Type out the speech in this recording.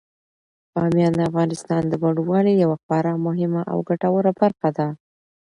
بامیان د افغانستان د بڼوالۍ یوه خورا مهمه او ګټوره برخه ده.